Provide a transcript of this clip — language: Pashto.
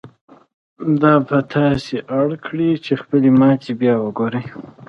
دا به تاسې اړ کړي چې خپلې ماتې بيا وګورئ.